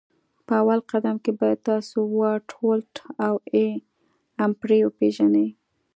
په اول قدم کي باید تاسو واټ ولټ او A امپري وپيژني